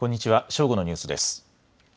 正午のニュースです。